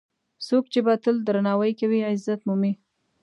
څوک چې بل ته درناوی کوي، عزت مومي.